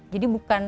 jadi bukan itu